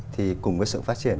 thì cùng với sự phát triển